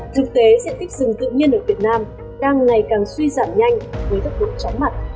thực tế diện tích rừng tự nhiên ở việt nam đang ngày càng suy giảm nhanh với tốc độ chóng mặt